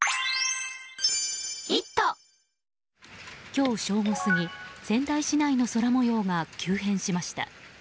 今日正午過ぎ仙台市内の空模様が急変しました。